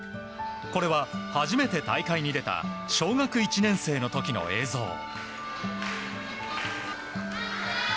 これは、初めて大会に出た小学１年生の時の映像。